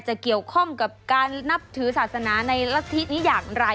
จะเกี่ยวข้องกับการนับถือศาสนาในรัฐธินี้อย่างไร